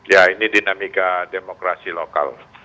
ya ini dinamika demokrasi lokal